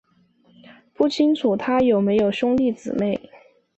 不清楚他有没有兄弟姊妹。